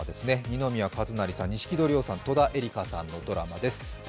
二宮和也、錦戸亮さん、戸田恵梨香さんのドラマです。